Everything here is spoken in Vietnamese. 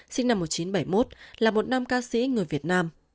sinh năm một nghìn chín trăm bảy mươi một là một nam ca sĩ người việt nam